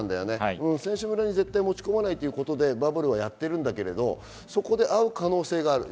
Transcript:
選手村に持ち込まないということでバブルはやっているけれど、会う可能性もあります。